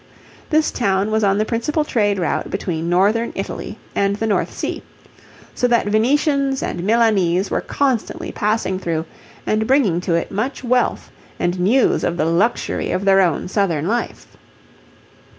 This town was on the principal trade route between Northern Italy and the North Sea, so that Venetians and Milanese were constantly passing through and bringing to it much wealth and news of the luxury of their own southern life.